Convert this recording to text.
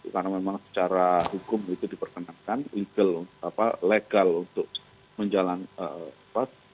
karena memang secara hukum itu diperkenankan legal untuk menjalankan